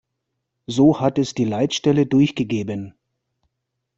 So hat es die Leitstelle durchgegeben.